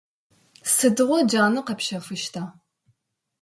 Сыдигъо джанэ къэпщэфыщта?